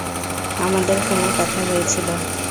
আমাদের ফোনে কথা হয়েছিল।